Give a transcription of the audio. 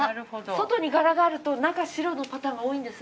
外に柄があると中白のパターンが多いんです。